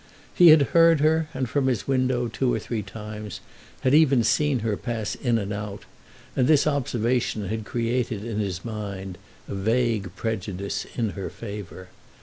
He had heard her, and from his window, two or three times, had even seen her pass in and out, and this observation had created in his mind a vague prejudice in her favour.